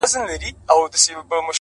زما خو ټوله كيسه هر چاته معلومه!